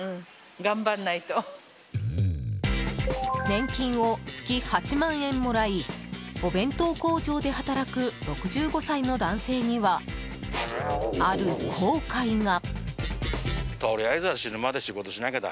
年金を月８万円もらいお弁当工場で働く６５歳の男性には、ある後悔が。